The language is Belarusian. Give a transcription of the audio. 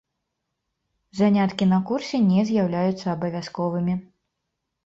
Заняткі на курсе не з'яўляюцца абавязковымі.